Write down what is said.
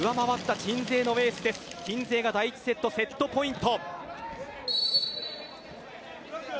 鎮西が第１セットセットポイント。